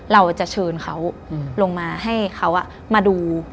เราจะเชิญเขาลงมาให้เขามาดู